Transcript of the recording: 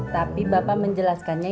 tapi bapak menjelaskannya